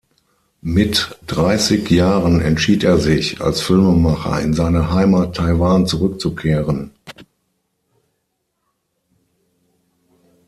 Mit dreißig Jahren entschied er sich, als Filmemacher in seine Heimat Taiwan zurückzukehren.